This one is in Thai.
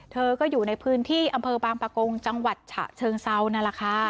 เธอก็อยู่ในพื้นที่อำเภอบางปะกงจังหวัดฉะเชิงเซานั่นแหละค่ะ